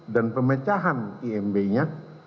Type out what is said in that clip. dan pemecahan imb nya